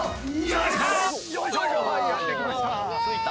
やって来ました。